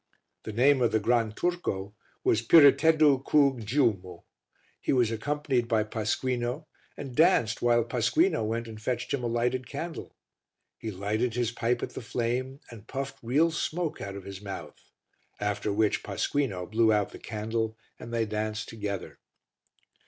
The name of the Gran Turco was Piriteddu cu Giummu. He was accompanied by Pasquino and danced while Pasquino went and fetched him a lighted candle. He lighted his pipe at the flame and puffed real smoke out of his mouth. After which Pasquino blew out the candle and they danced together.